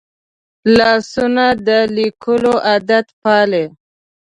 لاسونه د لیکلو عادت پالي